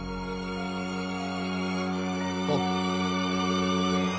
あっ。